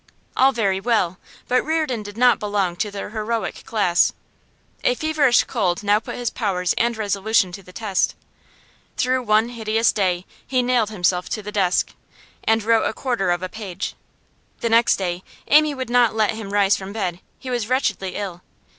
All very well, but Reardon did not belong to the heroic class. A feverish cold now put his powers and resolution to the test. Through one hideous day he nailed himself to the desk and wrote a quarter of a page. The next day Amy would not let him rise from bed; he was wretchedly ill.